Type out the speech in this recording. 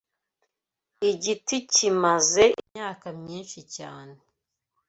igiti Kimaze imyaka myinshi cyane